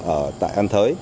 ở tại an thới